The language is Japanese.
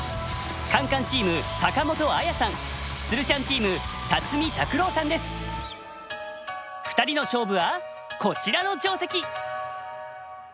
カンカンチームつるちゃんチーム２人の勝負はこちらの定石。